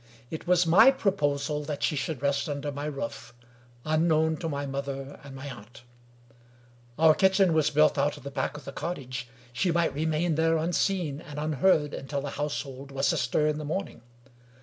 It was my proposal that she should rest, under my roof, unknown to my mother and my aunt. Our kitchen was built out at the back of the cottage : she might remain there unseen and unheard until the household was astir in the morning.